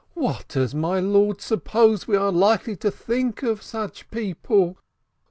What does my lord suppose we are likely to think of such people?